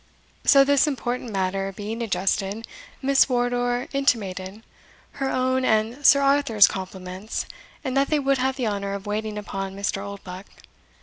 So this important matter being adjusted, Miss Wardour intimated "her own and Sir Arthur's compliments, and that they would have the honour of waiting upon Mr. Oldbuck.